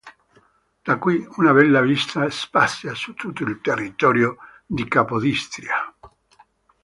Da qui una bella vista spazia su tutto il territorio di Capodistria.